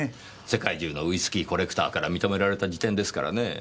世界中のウイスキーコレクターから認められた事典ですからねぇ。